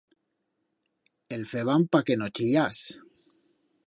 El feban pa que no chillás.